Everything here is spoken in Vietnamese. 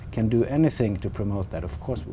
nhưng tôi nghĩ có rất nhiều thứ còn đến